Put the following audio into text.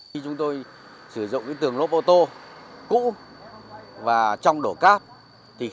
khi chúng tôi sử dụng tường lốp ô tô cũ và trong đổ cát